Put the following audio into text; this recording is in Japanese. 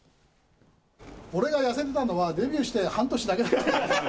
俺が痩せてたのは、デビューして半年だけ。